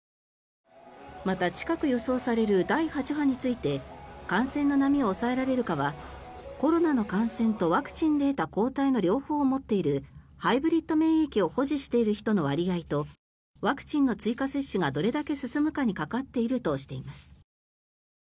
また、近く予想される第８波について感染の波を抑えられるかはコロナの感染とワクチンで得た抗体の両方を持っているハイブリッド免疫を保持している人の割合とワクチンの追加接種がどれだけ進むかにかかっているとしています。